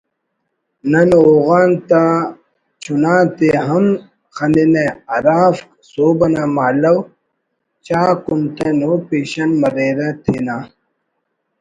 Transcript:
نن اوغان تا چناتے ہم خننہ ہرافک سہب انا مہالو چا کنتنو پیشن مریرہ تینا